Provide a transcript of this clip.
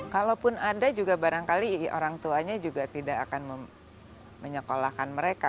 kalaupun ada juga barangkali orang tuanya juga tidak akan menyekolahkan mereka